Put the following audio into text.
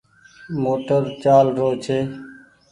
موٽر چآل رو ڇي۔